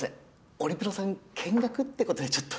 オリプロさん見学ってことでちょっと。